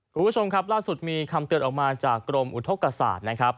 คุณผู้ชมครับล่าสุดมีคำเตือนออกมาจากกรมอุทธกษานะครับ